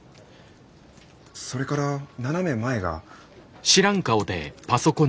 それから斜め前が。